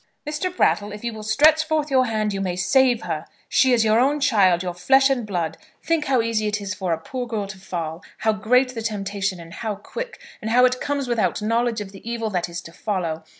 "Mr. Brattle, if you will stretch forth your hand, you may save her. She is your own child your flesh and blood. Think how easy it is for a poor girl to fall, how great is the temptation and how quick, and how it comes without knowledge of the evil that is to follow!